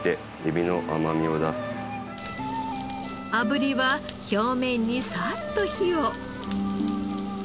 あぶりは表面にサッと火を。